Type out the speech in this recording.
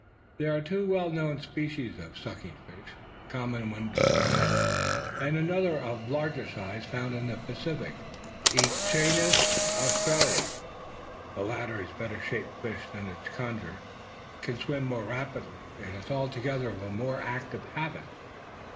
There are two well known species of sucking fish, the common one described, and another of larger size, found in the Pacific, the Echeneis australis. The latter is a better shaped fish than its congener, can swim more rapidly, and is altogether of a more active habit.